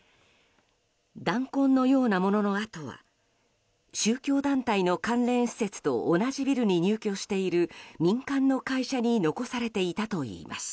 弾痕のようなものの痕は宗教団体の関連施設と同じビルに入居している民間の会社に残されていたといいます。